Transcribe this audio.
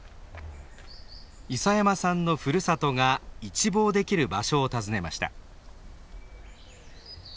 諫山さんのふるさとが一望できる場所を訪ねました。